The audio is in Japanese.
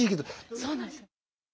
そうなんです。